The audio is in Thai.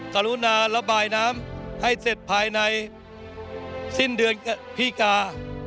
กรุณาระบายน้ำให้เสร็จภายในสิ้นเดือนพิกา